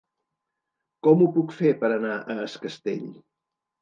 Com ho puc fer per anar a Es Castell?